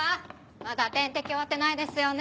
まだ点滴終わってないですよね。